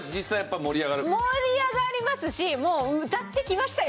盛り上がりますしもう歌ってきましたよ！